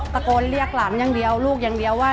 ตะโกนเรียกหลานอย่างเดียวลูกอย่างเดียวว่า